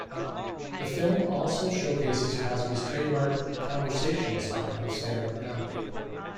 The film also showcases Cosby's trademark conversational style of stand-up comedy.